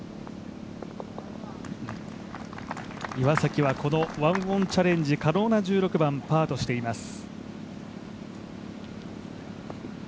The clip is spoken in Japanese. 岩崎はこの１オンチャレンジ可能な１６番、パーとしています。